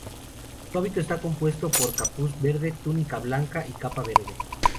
Su hábito está compuesto por capuz verde, túnica blanca y capa verde.